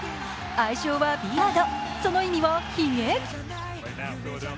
愛称はビアード、その意味は、ひげ。